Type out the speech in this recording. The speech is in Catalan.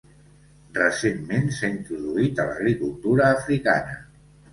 Recentment s'ha introduït a l'agricultura africana.